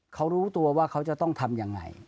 เขารู้ตัวว่าเขาจะต้องทำยังไง